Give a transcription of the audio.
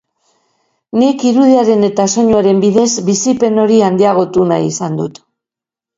Nik irudiaren eta soinuaren bidez bizipen hori handiagotu nahi izan dut.